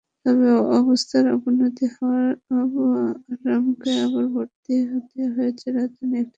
তবে অবস্থার অবনতি হওয়ায় আরমানকে আবার ভর্তি হতে হয়েছে রাজধানীর একটি হাসপাতালে।